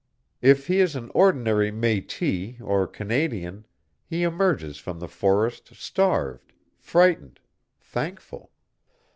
"If he is an ordinary mètis or Canadian, he emerges from the forest starved, frightened, thankful.